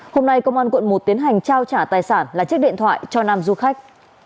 hôm nay công an quận một tiến hành trao trả tài sản là chiếc điện thoại cho nam du khách